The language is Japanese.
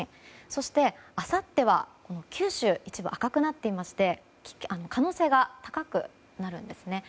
そして、あさっては九州で一部赤くなっていまして可能性が高くなるんですね。